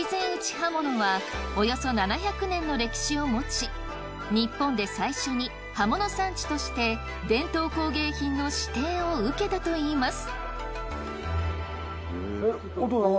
刃物はおよそ７００年の歴史をもち日本で最初に刃物産地として伝統工芸品の指定を受けたといいます。